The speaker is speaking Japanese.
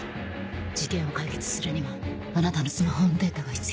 事件を解決するにはあなたのスマホのデータが必要。